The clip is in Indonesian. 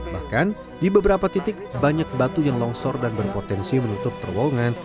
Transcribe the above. bahkan di beberapa titik banyak batu yang longsor dan berpotensi menutup terowongan